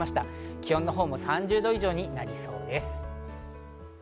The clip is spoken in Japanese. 気温も３０度以上になりそうです。